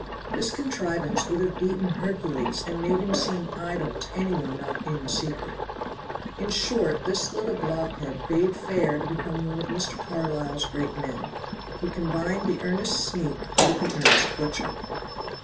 This contrivance would have beaten Hercules and made him seem idle to any one not in the secret. In short this little blockhead bade fair to become one of Mr. Carlyle's great men. He combined the earnest sneak with the earnest butcher.